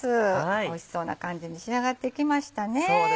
おいしそうな感じに仕上がってきましたね。